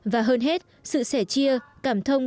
và hơn hết sự sẻ chia cảm thông